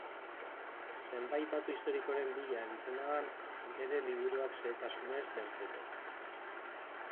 Zenbait datu historikoren bila aritzen da han, bere liburuak xehetasunez janzteko.